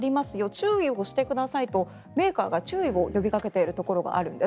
注意をしてくださいとメーカーが注意を呼びかけているところがあるんです。